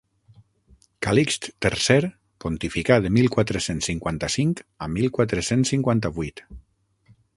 Calixt tercer pontificà de mil quatre-cents cinquanta-cinc a mil quatre-cents cinquanta-vuit.